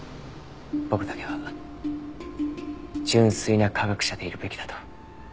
僕だけは純粋な科学者でいるべきだと。